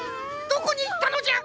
どこにいったのじゃ？